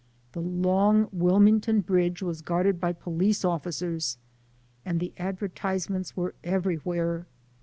The long Wil mington Bridge was guarded by police officers, and the advertisements were everywhere.